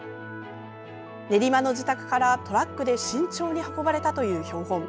練馬の自宅からトラックで慎重に運ばれたという標本。